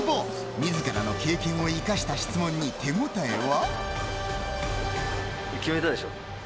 自らの経験を生かした質問に手ごたえは？